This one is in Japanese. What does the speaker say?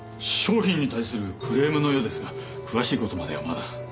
商品に対するクレームのようですが詳しい事まではまだ。